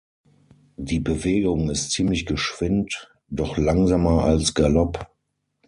Die Bewegung ist ziemlich geschwind, doch langsamer als Galopp.